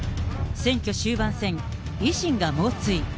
選挙終盤戦、維新が猛追。